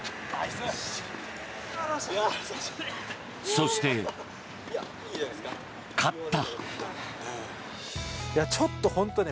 そして、勝った。